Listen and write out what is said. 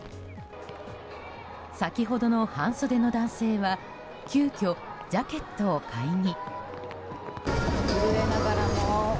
先ほどの半袖の男性は急きょ、ジャケットを買いに。